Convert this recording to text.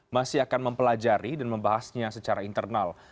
masih akan mempelajari dan membahasnya secara internal